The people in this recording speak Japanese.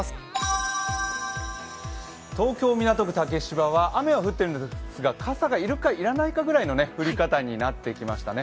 東京港区竹芝は雨は降っているんですが傘が要るか、要らないかぐらいの降り方になってましたね。